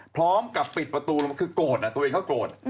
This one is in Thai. พร้อมกับปิดประตูคือโกรธตัวเองก็โกรธ